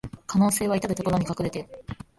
可能性はいたるところに隠れてる